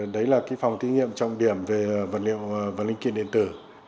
đấy là phòng thí nghiệm trọng điểm về vật liệu